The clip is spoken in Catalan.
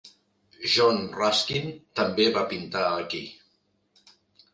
John Ruskin també va pintar aquí.